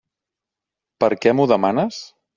Per què m'ho demanes?